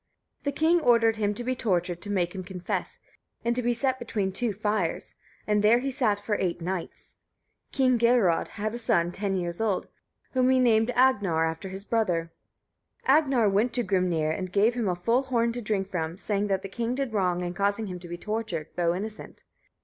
The king ordered him to be tortured to make him confess, and to be set between two fires; and there he sat for eight nights. King Geirröd had a son ten years old, whom he named Agnar, after his brother. Agnar went to Grimnir and gave him a full horn to drink from, saying that the king did wrong in causing him to be tortured, though innocent.